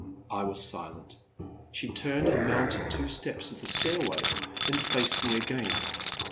*' I was silent. She turned and mounted two steps of the stairway, then faced me again.